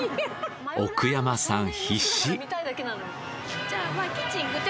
奥山さん必死。